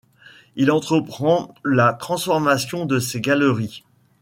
Il entreprend la transformation de ses galeries.